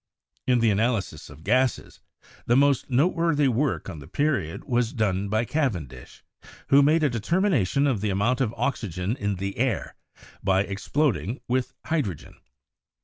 In the analysis of gases, the most noteworthy work of the period was done by Cavendish, who made a determina tion of the amount of oxygen in the air by exploding with hydrogen.